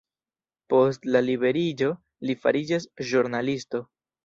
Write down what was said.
Post la liberiĝo li fariĝas ĵurnalisto.